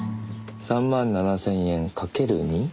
３万７０００円かける２？